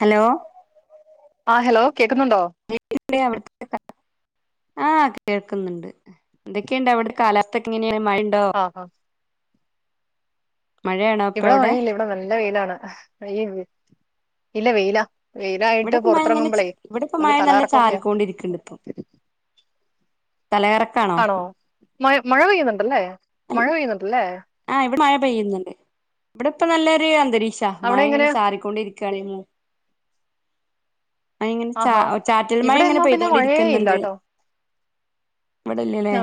Hello ആ hello കേക്കുന്നുണ്ടോ? [unintelligible] ആഹ കേൾക്കുന്നുണ്ട് എന്തൊക്കെയുണ്ടവിടെ കാലാവസ്ഥക്കെങ്ങനെയാ? മയണ്ടോ? ആ ആ ഇവിടെ മഴയില്ല ഇവിടെ നല്ല വെയിലാണ്. ഈ ഇല്ല വെയിലാ വെയിലായിട്ട് ഇവിടെപ്പ മഴ ഇങ്ങനെ പൊറത്തിറങ്ങുമ്പോളേ ഇവിടെ ഇപ്പ ക്ക് മഴ നല്ല തലക്കറക്കം ഒക്കൊയ ചാറിക്കൊണ്ടിരിക്കണ്ട് ഇപ്പൊ തലകറക്കാണോ ആണോ? മ മഴ പെയ്യുന്നുണ്ടല്ലേ മഴ പെയ്യുന്നുണ്ടല്ലേ? ആ ഇ മഴ പെയ്യുന്നുണ്ട്. ഇവിടെ ഇപ്പ നല്ലൊരു അന്തരീ ശാ അവിടെ മഴ ഇങ്ങനെ എങ്ങനെയാ ചാറിക്കൊണ്ടി രിക്കുവാണ്. മു ആഹാ ചാറ്റൽ മഴ ഇങ്ങനെ ഇവിടെന്നാ പിന്നെ പെയ്തോണ്ടിരിക്കുന്നുണ്ട് മഴയേല്ലട്ടോ. ഇവിടെല്ലല്ലേ ഓ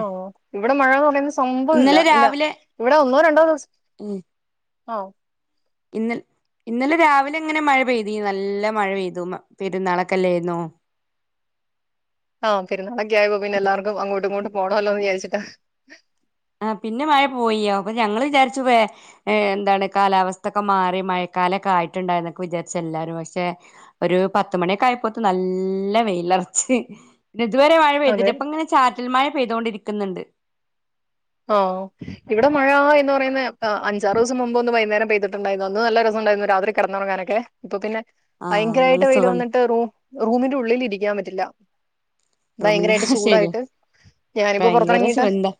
ഇവിടെ മഴന്ന് പറയുന്ന സംഭവംഇല്ല. ഇന്നലെ ഇല്ല രാവിലെ ഇവിടെ ഒന്നോ രണ്ടോ ദിവസം ആ ഇന്നലെ ഇന്നലെ രാവിലെ എങ്ങനെ മഴ പെയ്തു നല്ല മഴ പെയ്തു പെരുന്നാളെക്കെഅല്ലായിരുന്നോ? ആ പെരുന്നാളൊക്കായപ്പോ പിന്നെല്ലാർക്കും അങ്ങോട്ടുങ്ങോട്ടും പോണോല്ലോന്ന് വിചാരിച്ചിട്ടാ. ആ പിന്നെ മഴ പോയി. അപ്പൊ ഞങ്ങള്ചാരിച്ചു വേ എന്താണ് കാലാവസ്ഥക്കെ മാറി മഴ കാലക്കായിട്ടുണ്ടാ എന്ന് വിചാരിച്ചു എല്ലാരും പക്ഷെ ഒരു പത്ത്മണിയൊക്കെ ആയപ്പോത്ത് നല്ല വെയില പിന്നെ ഇതുവരെ മഴ അതെ പെയ്തില്ല ഇപ്പൊങ്ങനെ ചാറ്റൽ മഴ പെയ്തോണ്ടിരിക്കുന്നുണ്ട്. ഓ ഇവിടെ മഴ എന്ന് പറയുന്ന് അഞ്ചാറ്സം മുമ്പ് ഒന്ന് വൈയ്ന്നേരം പെയ്തിട്ടുണ്ടായിരുന്നു അന്ന് നല്ല രസ ണ്ടായിരുന്നു രാത്രി കിടന്നുറങ്ങാനൊക്കെ. ഇപ്പൊ പിന്നെ ആഹ് നല്ല പയങ്കരമായിട്ട് വെയില് സുഖണ്ട് വന്നിട്ട്റൂ റൂമിന്റെ ഉള്ളിൽ ഇരിക്കാൻ പറ്റില്ല. റൂമിന്റെ ഭയങ്കരായിട്ട് ഹാ ശെരിയ ചൂടായിട്ട് ഞാനിപ്പോ പയ്ങ്കര പുറത്തിറങ്ങിയിട്ട് ശുന്ദാ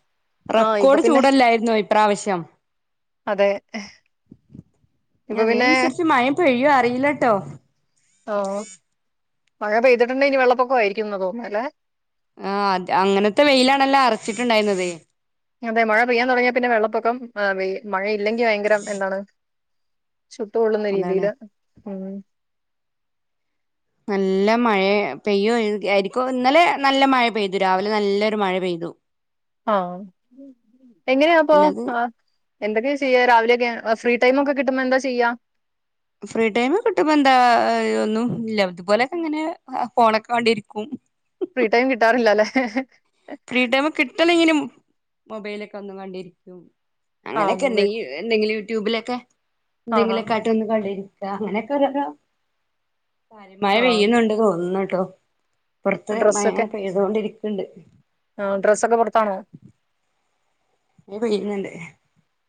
ആ ഇപ്പൊ റെക്കോർഡ് പിന്നെ ചൂടല്ലായിരുന്നോ ഇപ്രാവശ്യം? അതെ നി ഇപ്പൊ പിന്നെ അതേനുസരിച്ച് മഴേ പെയ്യുവോ? അറിയില്ലട്ടോ. ആ മഴ പെയ്തിട്ടുണ്ടേ ഇനി വെള്ളപ്പൊക്കവായിരിക്കുന്നതോന്നേലേ. ആ അത് അങ്ങനത്തെ വെയിലാണല്ലോ അറച്ചിട്ടുണ്ടായിരുന്നത്? അതെ മഴ പെയ്യാൻ തൊടങ്ങിയ പിന്നെ വെള്ളപ്പൊക്കം. മഴയില്ലെങ്കി ഭയങ്കരം എന്താണ് ചുട്ട്പൊള്ളുന്ന അതാണ് രീതില് ഉം നല്ല മഴ പെയ്യു ആരിക്കു. ഇന്നലെ നല്ല മഴ പെയ്തു രാവിലെ നല്ലൊരു മഴ പെയ്തു. ആ എങ്ങനെയാപ്പോ? പിന്നത് ആ എന്തൊക്കെ ചെയ്യാ രാവിലെയൊക്കെ? ഫ്രീ ടൈമ് ഒക്കെ കിട്ടുമ്പോ എന്താ ചെയ്യാ? ഫ്രീ ടൈമ് കിട്ടുമ്പം എന്താ [unintelligible] ഒന്നും ഇല്ല ഇതുപോലൊക്കെങ്ങനെ ഫോണൊക്കെ കണ്ടിരിക്കും. ഫ്രീ ടൈം കിട്ടാറില്ലല്ലേ? ഫ്രീ ടൈമ് കിട്ടലങ്ങനും മൊബൈലൊക്കെ ഒന്നും കണ്ടിരിക്കും. ആ അങ്ങനെയൊക്കെ മൊബൈൽ എന്തെങ്കി എന്തെങ്കിലും യൂട്യൂബിലൊക്കെ ആഹാ എന്തെങ്കിലൊക്കെ ആട്ട് ഒന്ന് കണ്ട അങ്ങനെയൊക്കെ ഓരോരോ കാര്യമായ ആ വെയ്യ്ണുണ്ടു തോന്നുന്നുട്ടോ. പൊറത്ത് മഴ ഡ്രസ്സൊക്കെ പെയ്തോണ്ടിരിക്ക്ണ്ട്. ആ ഡ്രസ്സൊക്കെ പൊറത്താണോ? പെയ്യുന്നുണ്ട്.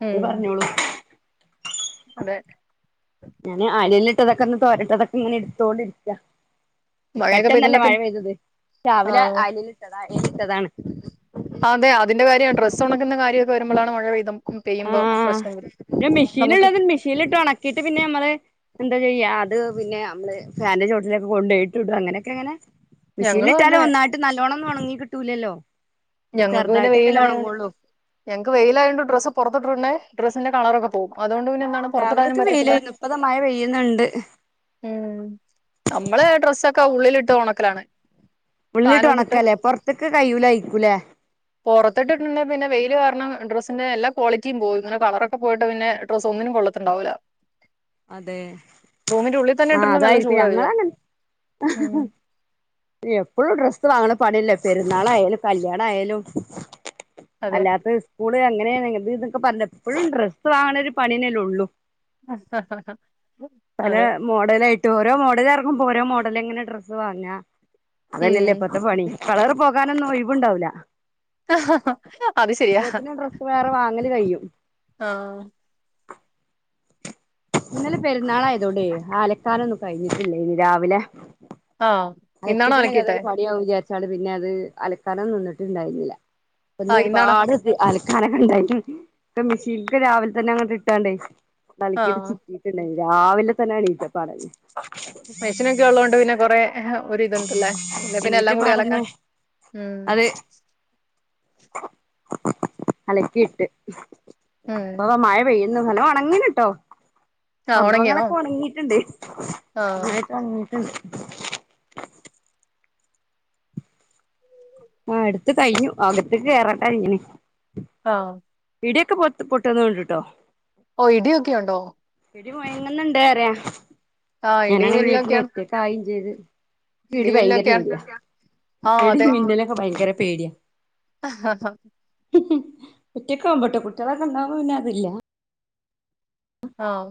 ഉം ങ്ങള്പറഞ്ഞോളൂ. അതെ ഞാന് ആലല്ട്ടതൊക്കെ ഒന്ന് തോരട്ടതൊക്കെ ഇങ്ങനെ എടുത്തോണ്ട ഇരിക്ക്യ. മഴയൊക്കെ പെട്ടെന്നല്ല പെയ്തിട്ടുണ്ടെ മഴ പിന്നെ പെയ്തത് രാവിലെ ആ അലലിട്ടതാ ഇട്ടതാണ്. അതെ അതിന്റെ കാര്യവ ഡ്രസൊണക്കുന്ന കാര്യവൊക്കെ വരുമ്പളാണ് മഴ പെയ്യു ആ നമുക്ക് മെഷീന്ഉള്ളത് മെഷീൻലിട്ട് ഒണക്കിട്ട് പിന്നെ നമ്മള് എന്താ ചെയ്യ അത് പിന്നെ അമ്മള് ഫാനിന്റെ ചോട്ടിലൊക്കെ കൊണ്ടൊയിട്ടുടു അങ്ങനൊക്കെങ്ങനെ ഞങ്ങളും മെഷീനിലിട്ടാലും അതെ ഒന്നായിട്ട് നല്ലോണൊന്ന് ഒണങ്ങി കിട്ടൂലല്ലോ? ഞങ്ങക്ക് പിന്നെ ചെറുതായിട്ടൊക്കെല്ലേ വെയിലായൊ ഒണങ്ങുള്ളൂ ഞങ്ങക്ക് വെയിലായോണ്ട് ഡ്രസ്സ് പുറ [unintelligible] ഡ്രസിന്റെ കളറൊക്കെ പോകും. അതുകൊണ്ട് പിന്നെന്താണ് പൊറത്തിടാനും രാവിലെയൊക്കെ പറ്റത്തില്ല. വെയിലായിരുന്നു ഇപ്പതാ മഴ പെയ്യുന്നുണ്ട് ഉം നമ്മള് ഡ്രസ്സൊക്കെ ഉള്ളിലിട്ട് ഉണക്കലാണ്. ഉള്ളിട്ട് ഉണക്കല്ലേ പൊറത്തൊക്കെ കൈയ്യൂലായിരി പൊറത്തിട്ട്ട്ടുണ്ടേ പിന്നെ വെയില് കാര കാരണം ഡ്രസ്സിന്റെ എല്ലാ ക്വാളിറ്റിയും പോവും. ഇങ്ങനെ കളറൊക്കെ പോയിട്ട് പിന്നെ ഡ്രസ് ഒന്നിനും കൊള്ളത്തുണ്ടാവൂല്ല. അതെ ആഹ ഇട്ടിട്ടുണ്ടെ നല്ല അതായിപ്പ ചൂടാ വരിക ഞങ്ങളങ്ങെ ഉം എപ്പോഴും ഡ്രസ്സ് വാങ്ങണ പണില്ലേ. പെരുന്നാളായാലും, കല്യാണായാലും അതെ അല്ലാത്ത സ്കൂള് അങ്ങനെ ഇങ്ങു ഇത് പറഞ്ഞ എപ്പോഴും ഡ്രസ്സ് വാങ്ങണ ഒരു പണിയന്നെല്ലൊള്ളു. ആഹഹ ഹാ. പല മോഡല ആയിട്ട് ഓരോ മോഡലർങ്ങുമ്പോ ഓരോ മോഡല അങ്ങനെ ഡ്രസ്സ് വാങ്ങ. ഉം അതന്നെല്ലേ ഇപ്പത്തെ പണി. കളറ് പോകാനൊന്നും ഒഴിവുണ്ടാവൂല്ല. ആ ഹഹ അത് ശരിയാ. ഡ്രസ്സ് വേറെ വാങ്ങല് കഴിയും ആഹ. ഇന്നലെ പെരുന്നാളായതോണ്ട് അലക്കാനൊന്നും കഴിഞ്ഞിട്ടില്ലേന് രാവിലെ. ആ അല ഇന്നാണോ ക്കിട്ട്ണ്ടങ്കി അലക്കിയിട്ടെ അതൊര് പണിയാവൂ ചാര് വചാണ്ട് പിന്നെ അത് അലക്കാന നിന്നിട്ട് ണ്ടായിന്നില്ല ഇന്ന് ആഹ് ഇന്നാണ് ഒരുപാട്ണ്ട് ആനക്കെ ഉണ്ടായിട്ട് ഇപ്പൊ മിഷീന്ക് രാവിൽ തന്നെ അങ്‌ട്ടാണ്ട് അലക്കിട്ട് ആഹ് ച്ചിക്കിട്ട്ണ്ടാ രാവിലെ തന്നെയെണീചപ്പ അതേ [unintelligible] നൊക്കെ ഉള്ളോണ്ട് പിന്നെ കൊറേ ഒരു വിതമുണ്ട്ല്ലേ ന്നാപിന്നെ എല്ലാം കൂടി അലക്കാൻ എണീറ്റപ്പാടന്നെ ഉം. അത് അലക്കിയിട്ട് ഉം ഇപ്പൊ മഴ പെയ് ഇ ന്നലോ ഒണങ്ങിണ് ട്ടോ. ആഹ് ഒണങ്ങിയോ സംഭവങ്ങളൊക്കെ ഉണങ്ങിട്ടുണ്ട് ആഹ് ന്നന്നായിട്ട് ഒൺങ്ങിട്ടുണ്ട്. ആ എടുത്ത് കഴിഞ്ഞു അകത്ക് കേറട്ട അങ്‌ന്. ആഹ. ഇഡിയൊക്കെ പൊട്ടുണ്ട് പൊട്ടു ണുണ്ട് ഓഹ് ഇടിയൊക്കെ ഉണ്ടോ ഇടി മൊയങ്ങുന്നുണ്ട് അറ്യാ. ആഹ് ഇടി ഞാനാണെങ്കി വീട്ട്ല് മിന്നലൊക്കെയാണ് ഒറ്റക്കായി ചെയ്ത്. ക് ഇടി ഭയങ്കര പേടിയാ ഇടി മിന്ന ലൊക്കെ ഭയങ്കര പേട്യാ. ആഹ ഹ. ഒറ്റക്കാവുമ്പൊട്ടൊ കുട്ട്യോള് ഒക്കെ ഉണ്ടാവുമ്പൊ പിന്നെ അതില്ല. ആഹ.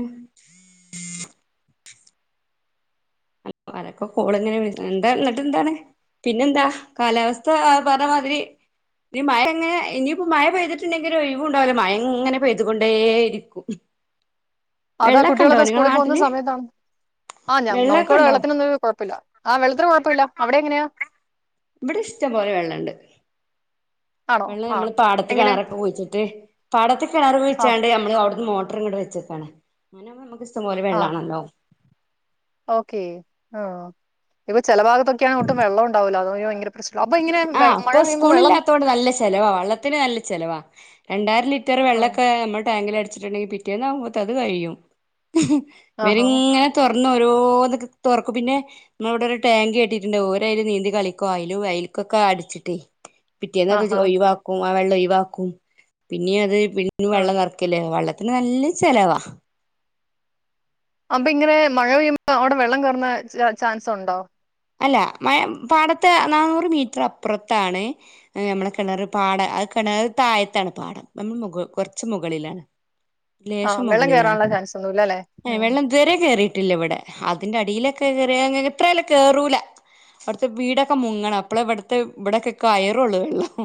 ഉം. [inaudible] അരൊക്കെ കോള്ങ്ങനെ വെര്ന്ന് എന്താ ന്ന്ട്ടന്താണ്. പിന്നെന്താ കാലാവസ്ഥ എ പറഞ്ഞമാതിരി ഇനി മഴ എങ്ങനെ ഇനിയിപ്പോ മഴ പെയ്തിട്ട്ണ്ടെങ്കി ഒരു ഒഴിവു ഉണ്ടാവൂല മഴ ഇങ്ങനെ പെയ്തുകൊണ്ടേ ഇരിക്കും. അതാ വെള്ളമൊക്കെ ഉണ്ടോ കുട്ടികളൊക്കെ നിങ്ങളെ സ്കൂളിൽ പോകുന്ന നാട്ടില് സമയത്താണ് ആ ഞാ വെള്ളമൊക്കെ ഇടെ ഉണ്ടോ വെള്ളത്തിനൊന്നും കുഴപ്പില്ല ആ വെള്ളത്തിന് കുഴപ്പില്ല അവിടെ എങ്ങനെയാ? ഇവിടെ ഇഷ്ടംപോലെ വെള്ളണ്ട്. ആണോ വെള്ള ആഹ് നമ്മള് പാടത്ത് എങ്ങനെ കിണറൊക്കെ കുഴിച്ചിട്ട് പാടത്ത് കിണർ ആഹ് കുഴിച്ചാണ്ട് നമ്മള് അവിടുന്ന് മോ ട്ട്ർഇങ്ങണ്ട്‌ വച്ചക്കാണ് അങ്ങ നമക്ക് ഇഷ്ടംപോലെ വെള്ളാണല്ലോ. ഓക്കെ ആ് ഇപ്പൊ ചെല ഭാഗത്തൊക്കെയാണ് അങ്ങട്ടും വെള്ളം ഉണ്ടാവില്ല അത ഭയങ്കര പ്രശ്ന ആഹ് അപ്പൊ സ്കൂളില്ലാത്തോണ്ട് നല്ല ചെലവാ വെള്ളത്തിന് നല്ല ചെലവാ രണ്ടായിരം ലി റ്ററ് ആഹ് വെളൊക്കെ നമ്മുടെ ടാങ്കിൽ അടിച്ചിട്ടുണ്ടെങ്കിൽ പിറ്റേന്ന് ആവുമ്പത് അത് കഴിയും. ആഹാ വരിങ്ങനെ തുറ. ഓരോന്ന് തൊറക്കും പിന്നെ നമ്മള വ്ടെ ഒരു ടാങ്കി. കെട്ടിട്ടുണ്ട് ഓരൈല് നീന്തി കളികും ഐ അയ്ല് കൊക്കെ അടിച്ചിട്ടേ പിറ്റേന്ന് അത് ആഹാ ഒയിവാക്കും ആ വെള്ളം ഒയിവാക്കും പിന്നിം അത്. പിന്നിം ആഹ് വെള്ളം നെർക്കല്ലേ വെള്ളത്തിന് നല്ല ചെലവാ. അപ്പൊ ഇങ്ങനെ മഴ പെയ്യുമ്പോ അവിടെ വെള്ളം കയറുന്ന ചാൻസ്ഉണ്ടോ? അല്ല മയ പാടത്തെ നന്നൂറ് മീറ്റർ അപ്പുറത്താണ് നമ്മുടെ കിണറ് പാട ണർത് താഴത്താണ് പാഠം നമ്മൾ കുറച്ച മുകളിലാണ്. ആ ലേശം വെള്ളം മുകളിലാണ് കയറാനുള്ള ചാൻസ് ഒന്നുമില്ല അല്ലേ ഉം. വെള്ളം ഇത്‌ വരെ കേറീട്ടില്ല ഇവിടെ അതിന്റെ അടിലെ. കേറേങ്ങെ എത്രആയലുംകേറൂല. അവ്ട്ത്തെ വീടൊക്കെ മുങ്ങണം അപ്പള ഇവിട്ത്തെ ഇവിടടൊക്കെ കയറള്ളൂ വെള്ളം.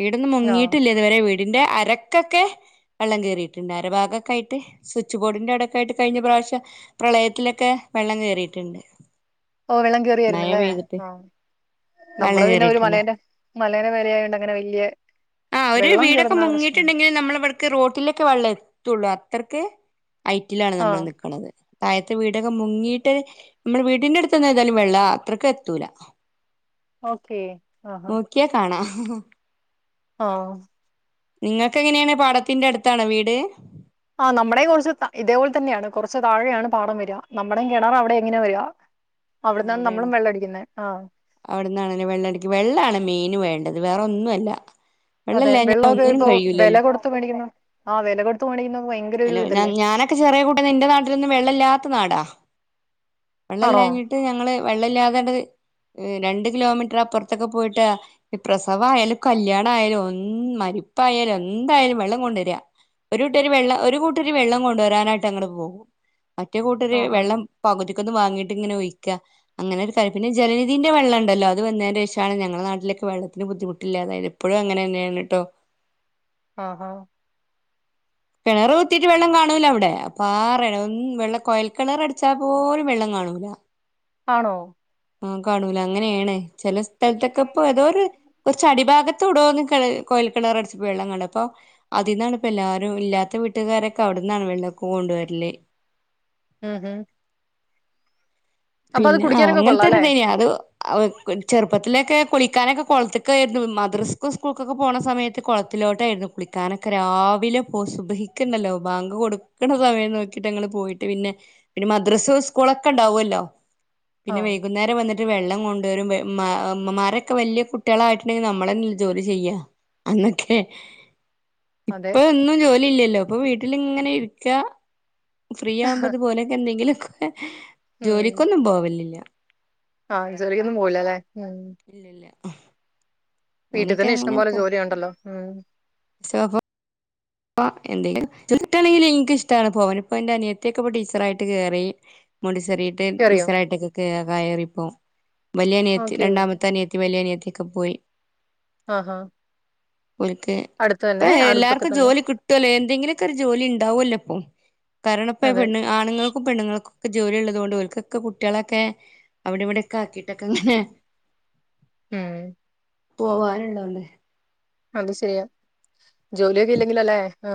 വീടൊന്നും ആ മുങ്ങിട്ടില്ലത് വരെ വീ ഇന്റെ അരക്കൊക്കെ വെള്ളം കയറിയിട്ടുണ്ട് അരഭാഗൊക്ക ആയിട്ട് സ്വിച്ച് ബോർഡിന്റെ അവിടേക്ക ആയിട്ട് കഴിഞ്ഞ പ്രാ വശ്യം പ്രളയത്തിലൊക്കെ വെള്ളം കേറിട്ടുണ്ട്. ഓ വെള്ളം കേറിയായിരുന്നല്ലേ. ആഹ് വെള്ളം നമ്മടെ പിന്നെ ഒരു കേറിയിട്ടുണ്ട് മലേന്റെ മലേന മേലേയായണ്ട് അങ്ങനെ വല്യ ആഹ് ഒരു വീടൊക്കെ മുങ്ങിട്ട്ണ്ടെങ്കില് നമ്മളെവടക്ക് റോട്ടിലേക്കെ വള്ളെത്തൊള്ളൂ അത്രക്ക് ഹൈറ്റിലാണ് ആ നമ്മൾ നിക്കണന്നത് താഴത്തെ വീടൊക്കെ മുങ്ങിയിട്ട് നമ്മൾ വീടിന്റെ അടു എതായാലും വെള്ളം അത്രയ്ക്ക എത്തൂല. ഓക്കെ ആഹ്ഹ. ഓ ഓഹ് നിങ്ങക്കെങ്ങനെണ് പാടത്തിന്റട്ത്താണോ വീട്? ആഹ് നമ്മുടെ കുറച്ച് ഇതേപോലെ തന്നെയാണ് കുറച്ച് താഴെയാണ് പാടം വരിക. നമ്മുടെയും കിണറ് അവിടെ ഇങ്ങനെ വരിക. അവിടുന്നാണ് അവടെണ് നമ്മളും വെള്ളം അടിക്കുന്നത് ആ അവ്ട്ന്നാണ് ലെ വെള്ള ടിക്ക് വെള്ളാണ് മെയിന് വേ ണ്ടത് വേറെന്നുഅല്ല. അതെ വെള്ളൊക്കെപ്പൊ വെല കൊട്ത്ത് മേടിക്കുന്ന ആഹ് വെല കൊട്ത്ത് മേടിക്കുന്ന ഭയങ്കര ഒരു ഹലോ ഞാൻ ഇതല്ലേ ഞാനൊക്കെ ചെറിയ കൂട്ട എന്റെ നാട്ടിലൊന്നും വെള്ള ഇല്ലാത്ത നാടാ. വെള്ള ആണോ ഇല്ലാഞ്ഞിട്ട് ഞങ്ങള് വെള്ളം ഇല്ലാകേണ്ടത് രണ്ടു കിലോമീറ്റർ അപ്പുറത്തൊക്കെ പോയിട്ട് ഈ പ്രസവയാലും കല്യാണ ആയാലും ഒന്ന് മരി പ്പായാലും എന്തായാലും വെള്ളം കൊണ്ടുവരിഅ. ഒരു കൂട്ടരു വെള്ളം ഒരു കൂട്ടരു വെള്ളം കൊണ്ടുവരാനായിട്ട് അങ്ങട് പോകും. മറ്റേ കൂട്ടരു ആഹാ വെള്ളം പകുതി ഇത് വാങ്ങിട്ട് ഇങ്ങനെ ഒഴിക്കുക അങ്ങനെ ഒരു ജലനിധീന്റെ വെള്ള ഉണ്ടല്ലോ അത് വന്നതി ശേഷമാണ് ഞങ്ങളുടെ നാട്ടില വെള്ളത്തിന് ബുദ്ധിമുട്ടില്ല അതായത് ഇപ്പോഴും അങ്ങന തന്നെയാണ് കേട്ടോ. ആഹ് ഹാ കിണർ കുത്തിട്ട് വെള്ളം കാണൂല അവിടെ അപ്പൊ ആ റേ വെള്ളം കോയൽ കിണർ അടിച്ചാപോലും വെള്ളം കാ കാണുല്ലാ ആണോ? ആഹ് കാണൂല അങ്ങനെയാണ് ചില സ്ഥലത്തൊക്കെ ഇപ്പോ തോ ഒരു കുറച്ച് അടിഭാഗ ത്തൊടോ ന്ന് കെ [unintelligible] കൊഴൽ കെണറട്ച്ച പൊ വെള്ളം കണ്ടപ്പോ അതിന്നാണ് പ്പെല്ലാരും ഇല്ലാത്ത വീട്ട്കാരൊക്കെ അവട് ന്നാണ് വെള്ളൊക്കെ കൊണ്ട് വരല്. ഉം ഉം പിന്നെ ആഹ് കൊള്ളാം അങ്ങനത്തെൊ അല്ലേ ഒരുതനെയ അത് ചെറുപ്പത്തിലൊക്കെ കുളിക്കാനൊക്കെ കുളത്തക്കരുന്നു മദ്രസും സ്കൂൾക്കൊക്കെ പോണ സമയത്ത് കുളത്തിൽ ലോട്ടായിരുന്നു കുളിക്കാനൊക്കെ രാവിലെ പോവും സുബഹിക്ക്ണ്ടല്ലോ ബാങ്ക് കൊട്ക്ക്ണ സമയം നോക്കിട്ട് ഞങ്ങൾ പോ പോയിട്ട് പിന്നെ മദ്രാസ സ്കൂളുക്കേ ഉണ്ടാവല്ലോ ആ പിന്നെ വൈകുന്നേരം വന്നി ട്ട് വെള്ളം കൊണ്ടോരും വെ മ്മ ഇമ്മമാരെക്കെ വെല്ല്യ കുട്ട്യളായിട്ട്ണ്ടെങ്കി നമ്മളെനല്ലേ ജോലി ചെയ്യാ അന്നൊക്കെ അതെ ഇപ്പൊ ഒന്നും ജോലി ഇല്ലല്ലോ ഇപ്പൊ വീട്ടിലിങ്ങനെ ഇരിക്ക ഫ്രീ യുവുമ്പത്പോലെക്കെ എന്തെങ്കിലൊക്കെ ജോലിക്കൊന്നും പോവല്ലില്ല. ആഹ് ജോലിക്കൊന്നും പോവില്ലല്ലോ. ഇല്ല ഇല്ല. വീട്ടി തന്നെ ഇഷ്ടംപോലെ ജോലിയാണ്ടല്ലോ ഉം. ഇപ്പ എന്തെങ്കിലൊക്കെ ജോലിക്കിട്ടാണെ ഇൻക്ക് ഇഷ്ടാണ് പോവാന് പ്പൊ ഇന്റെ അനിയത്ത്യൊക്കെപ്പോ ടീച്ചറായിട്ട് കേറി മോണ്ടി കേറിട്ട് കേറിയോ ടീച്ചറായിട്ട്ക്ക ക്കേ കയറിപ്പോ വെല്യനിയത്തി ഓക്കെ രണ്ടാമത്തെ അനിയ വല്യ അനിയത്തിക്കെ പോയി. ആഹാ ഓൽക്ക് അടുത്ത് ഇപ്പൊ തന്നെ അടുത്തൊക്കെ എല്ലാർക്കും തന്നെ ജോലി കിട്ടുല്ലോ എന്തെങ്കിലുമൊക്കെ ഒരു ജോലി ഉണ്ടാവുമല്ലോ ഇപ്പൊ കാരണം ഇപ്പ അതെ പെണ് ആണുങ്ങൾക്കും പെണ്ങ്ങൾക്കും ജോലി ഉള്ളത് കൊണ്ട്ക്കൊക്കെ കുട്ടികളൊക്കെ അവിടെ ഇവിടെക്കെ ആക്കിട്ടൊക്കെ ഇങ്ങനെ ഉം പോവാനണ്ടോല്ലേ അത് ശരിയാ ജോലിയൊക്കെ ഇല്ലെങ്കിലും അല്ലേ ആ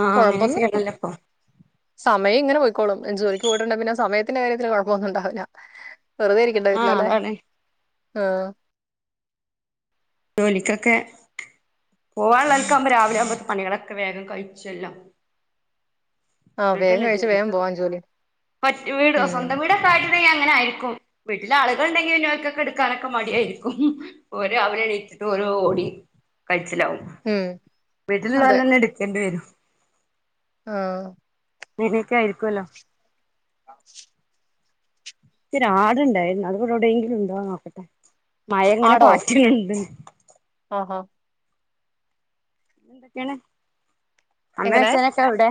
ആഹ് അങ്ങനെയൊക്കെ കുഴപ്പൊന്നുല്ല ആണല്ലോ ഇപ്പൊ സമയം ഇങ്ങനെ ക്കോളുംജോലിക്ക് പോയിട്ടുണ്ട പിന്നെ സമയത്തിന്റെ കാര്യത്തിൽ കുഴപ്പമൊന്നും ഉണ്ടാവില്ല വെറുതെ ഇരിക്കണ്ട ആഹ് വീട്ടലല്ലേ അതാണ് ആഹ ജോലിക്കൊക്കെ പോവാനുള്ളക്കാവുമ്പോ രാവിലെ ആവുമ്പോ പണികളൊക്കെ വേഗം കഴിച്ചല്ലോ ആ വേഗം എന്നിട്ടല്ലേ കഴിച്ച് വേഗം ജോലിക്കൊക്കെ പോവാൻ പോവാ ജോലി പറ്റ വീട് ഉം സ്വന്തം വീടക്ക അ അങ്ങന ആയിരിക്കും വീട്ടില ആളുകൾ ഉണ്ടെങ്കിൽനോക്കൊക്കെ എടുക്കാനൊക്കെ മടിയായിരിക്കും ഓരോ അവരെ ഒരു ഓടി കഴിച്ചിലാവും. ഉം അതെ വീട്ടിലുള്ളതല്ലന്നെ എടുക്കണ്ടി വരും. ആ [unintelligible] ആയിരിക്കുവല്ലോ ആഹ് ഇയ്ക്കൊര് ആടുണ്ടായിരുന്നു അത് ഇവടെ എവിടെങ്കിലും ഉണ്ടോന്ന് നോക്കട്ടെ? മഴങ്ങനെ പാറ്റ്ണ് ണ്ട്. ആ ആ എന്തൊക്കെയാണ് അമ്മ എങ്ങനെ വെച്ചേനൊക്കെ അവിടെ?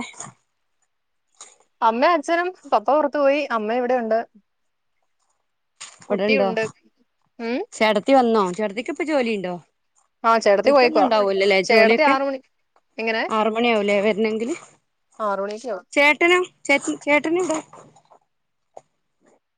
അമ്മ അച്ഛനും പപ്പ പൊറത്തു പോയി. അമ്മ ഇവിടെ ഉണ്ട്. അവിടെ ഇണ്ടോ? കുട്ടിയുണ്ട് ഉം ചേട്ടത്തി വന്നോ? ചേട്ടത്തിക്ക് ഇപ്പ ജോലിണ്ടോ? ആ ചേട്ടത്തി പോയേക്കുവാ നിക്കൊന്നുംണ്ടാവൂലല്ലേ ചേട്ടത്തി ജോലിയൊക്കെ? ആറ് മണി ആറ് മണി ആവൂലേ വരണെങ്കില് ആറോണിക്കയാവും ചേച്ചി ചേട്ടനിണ്ട